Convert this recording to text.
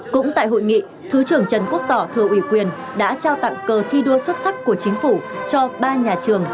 cũng tại hội nghị thứ trưởng trần quốc tỏ thừa ủy quyền đã trao tặng cờ thi đua xuất sắc của chính phủ cho ba nhà trường